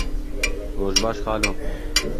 Roj baş xalo.